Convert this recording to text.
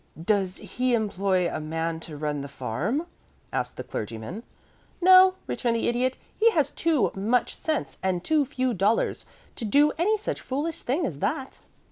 "Does he employ a man to run the farm?" asked the Clergyman. "No," returned the Idiot, "he has too much sense and too few dollars to do any such foolish thing as that."